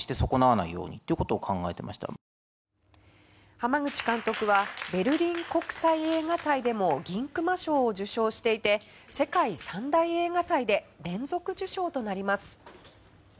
濱口監督はベルリン国際映画祭でも銀熊賞を受賞していて世界三大映画祭で連続受賞となります。